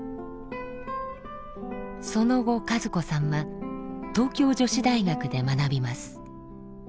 その後和子さんは東京女子大学で学びます。